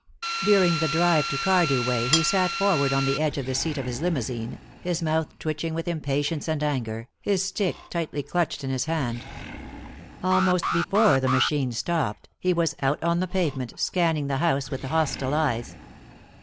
During the drive to Cardew Way he sat forward on the edge of the seat of his limousine, his mouth twitching with impatience and anger, his stick tightly clutched in his hand. Almost before the machine stopped he was out on the pavement, scanning the house with hostile eyes.